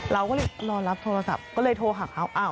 เราก็เลยรอรับโทรศัพท์ก็เลยโทรหาเขา